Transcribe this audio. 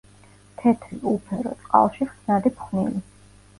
თეთრი, უფერო, წყალში ხსნადი ფხვნილი.